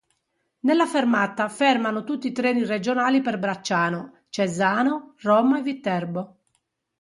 Nella fermata fermano tutti i treni regionali per Bracciano, Cesano, Roma e Viterbo.